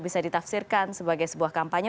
bisa ditafsirkan sebagai sebuah kampanye